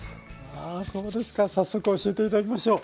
あそうですか早速教えて頂きましょう。